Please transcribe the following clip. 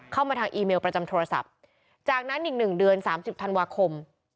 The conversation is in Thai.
เข้ามาทางอีเมลประจำโทรศัพท์จากนั้นอีกหนึ่งเดือน๓๐ธันวาคม